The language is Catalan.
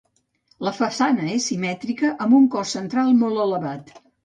La façana és simètrica amb un cos central molt elevat.